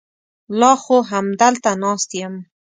لا خو همدلته ناست یم.